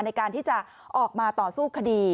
ในการที่จะออกมาต่อสู้คดี